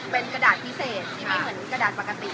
เป็นกระดาษพิเศษที่ไม่เหมือนกระดาษปกติ